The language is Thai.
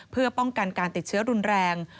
เพื่อป้องกันการติดเชื้อรุนแรง